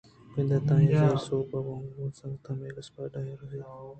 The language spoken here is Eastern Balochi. بندات ءَ آئی ءِ زہر ءِ سوب ہم گوں وتی سنگت میکس براڈ ءَ آئی ءِ زونیسٹ لیکہ اِت اَنت